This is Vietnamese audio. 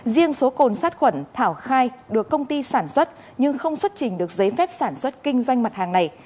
riêng số cồn sát khuẩn thảo khai được công ty sản xuất nhưng không xuất trình được giấy phép sản xuất kinh doanh mặt hàng này